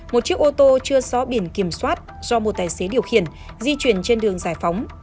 một chiếc ô tô chưa xóa biển kiểm soát do một tài xế điều khiển di chuyển trên đường giải phóng